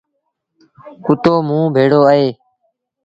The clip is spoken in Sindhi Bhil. ڪتو موݩ بيڙو اهي